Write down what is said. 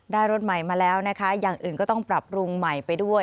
รถใหม่มาแล้วนะคะอย่างอื่นก็ต้องปรับปรุงใหม่ไปด้วย